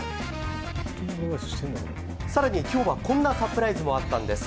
更に今日は、こんなサプライズもあったんです。